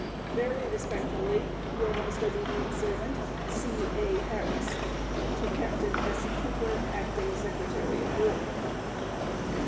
Very respectfully, Your most obedient servant, C. A. HARRIS. Capt. S. COOPER, Acting Sec. of War."